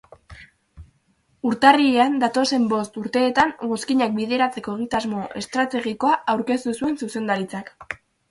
Urtarrilean datozen bost urteetan mozkinak biderkatzeko egitasmo estrategikoa aurkeztu zuen zuzendaritzak.